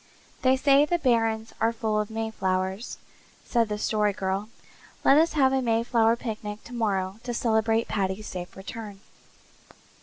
"They say the barrens are full of mayflowers," said the Story Girl. "Let us have a mayflower picnic tomorrow to celebrate Paddy's safe return."